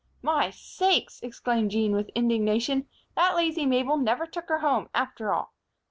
"My sakes!" exclaimed Jean, with indignation, "that lazy Mabel never took her home, after all!